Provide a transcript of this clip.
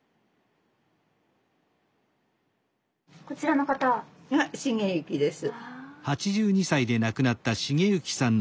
こちらの方？が成幸です。